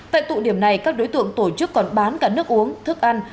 tại tụ điểm này các đối tượng tổ chức còn bán cả nước uống thức ăn